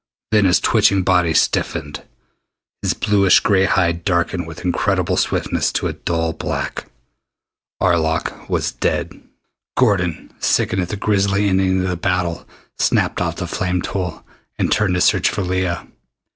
Then his twitching body stiffened. His bluish gray hide darkened with incredible swiftness into a dull black. Arlok was dead. Gordon, sickened at the grisly ending to the battle, snapped off the flame tool and turned to search for Leah.